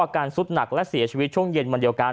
พ่ออาการซุดหนักและเสียชีวิตช่วงเย็น